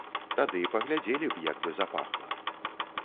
Тады паглядзелі б, як бы запахла.